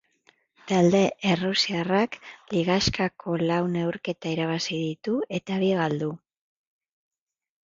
Talde erruasiarrak ligaxkako lau neurketa irabazi ditu eta bi galdu.